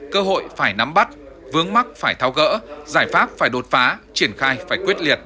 cơ hội phải nắm bắt vướng mắt phải thao gỡ giải pháp phải đột phá triển khai phải quyết liệt